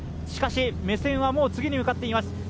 しかし、目線はもう次に向かっています。